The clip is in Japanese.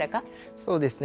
そうですね。